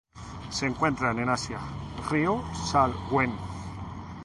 Se encuentran en Asia: río Salween.